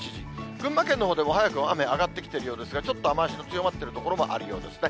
群馬県のほうでは早くもあめ、上がってきているようですが、ちょっと雨足が強まっている所もあるようですね。